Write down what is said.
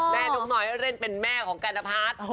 แม่นุกน้อยเล่นเป็นแม่ของกันภพ